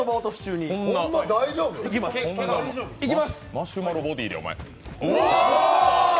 マシュマロボディーでお前。